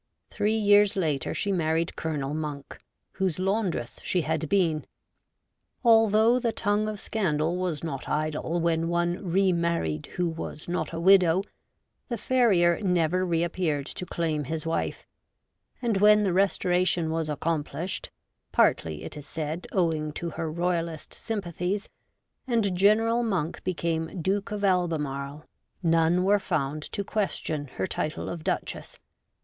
Three years later she married Colonel Monk, whose laundress she had been. Although the tongue of scandal was not idle when one re married who was not a widow, the farrier never reappeared to claim his wife, and when the Restoration was accomplished (partly, it is said, owing to her Royalist sympathies), and General Monk became Duke of Albemarle, none were found to question her title of Duchess.